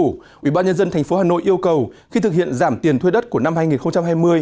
ubnd tp hà nội yêu cầu khi thực hiện giảm tiền thuê đất của năm hai nghìn hai mươi